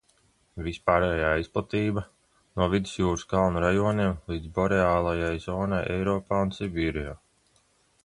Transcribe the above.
Vispārējā izplatība: no Vidusjūras kalnu rajoniem līdz boreālajai zonai Eiropā un Sibīrijā.